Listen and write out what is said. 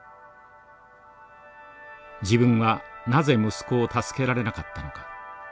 「自分はなぜ息子を助けられなかったのか」。